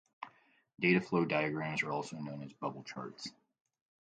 Data flow diagrams are also known as bubble charts.